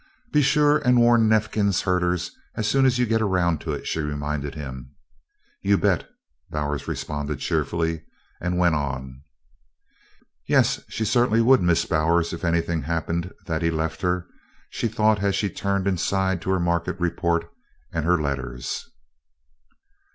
"Be sure and warn Neifkins's herder as soon as you can get around to it," she reminded him. "You bet!" Bowers responded cheerfully, and went on. Yes, she certainly would miss Bowers if anything happened that he left her, she thought as she turned inside to her market report and her letters.